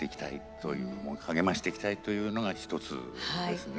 そういう励ましていきたいというのが一つですね。